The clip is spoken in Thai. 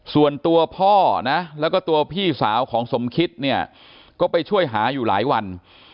ส่วนตัวพ่อนะแล้วก็ตัวพี่สาวของสมคิดเนี่ยก็ไปช่วยหาอยู่หลายวัน